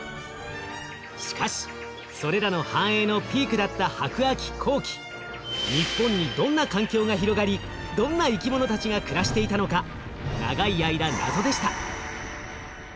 しかしそれらの繁栄のピークだった白亜紀後期日本にどんな環境が広がりどんな生きものたちが暮らしていたのか長い間謎でした。